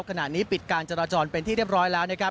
ขณะนี้ปิดการจราจรเป็นที่เรียบร้อยแล้วนะครับ